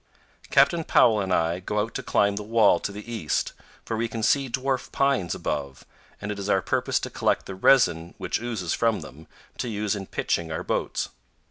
Captain Powell and I go out to climb the wall to the east, for we can see dwarf pines above, and it is our purpose to collect the resin which oozes from them, to use in pitching our boats.